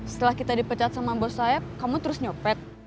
setelah kita dipecat sama bos sayap kamu terus nyopet